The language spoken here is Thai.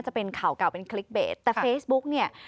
ได้อย่างไร